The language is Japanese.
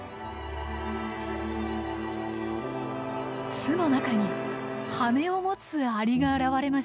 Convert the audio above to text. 巣の中に羽を持つアリが現れました。